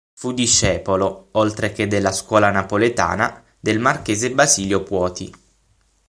Fu discepolo, oltre che della scuola napoletana del marchese Basilio Puoti.